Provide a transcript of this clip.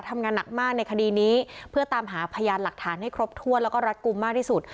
ทำงานหนักมากในคดีนี้เพื่อตามหาพยานหลักฐานให้ครบถ้วนแล้วก็รัดกลุ่มมากที่สุด